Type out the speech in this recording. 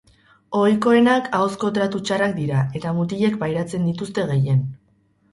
Ohikoenak ahozko tratu txarrak dira eta mutilek pairatzen dituzte gehien.